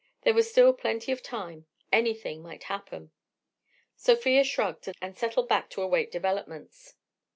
There was still plenty of time, anything might happen.... Sofia shrugged, and settled back to await developments.